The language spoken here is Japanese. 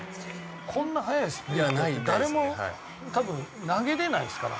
こんな速いスプリット誰も多分投げられないですから。